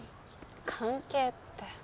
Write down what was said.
関係って。